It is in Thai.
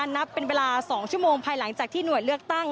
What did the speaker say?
นับเป็นเวลา๒ชั่วโมงภายหลังจากที่หน่วยเลือกตั้ง